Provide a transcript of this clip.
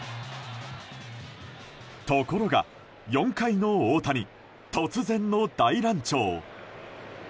ところが４回の大谷突然の大乱調。